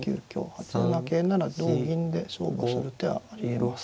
８七桂なら同銀で勝負する手はあります。